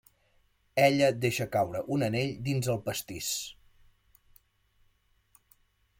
Ella deixa caure un anell dins el pastís.